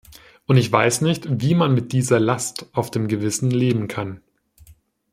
Und ich weiß nicht, wie man mit dieser Last auf dem Gewissen leben kann.